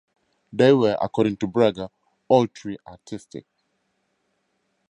They were, according to Breger, "all three artistic".